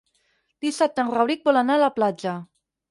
Dissabte en Rauric vol anar a la platja.